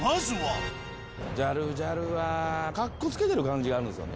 ジャルジャルは、かっこつけてる感じがあるんですよね。